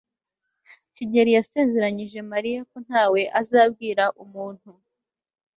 kigeri yasezeranyije mariya ko ntawe azabwira umuntu